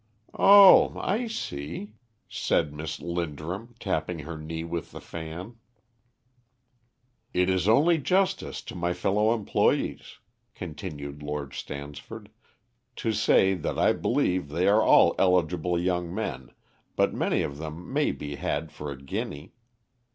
"Oh, I see," said Miss Linderham, tapping her knee with the fan. "It is only justice to my fellow employés," continued Lord Stansford, "to say that I believe they are all eligible young men, but many of them may be had for a guinea.